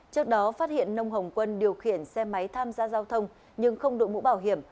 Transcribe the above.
trước đó phát hiện nông hồng quân điều khiển xe máy tham gia giao thông nhưng không đội mũ bảo hiểm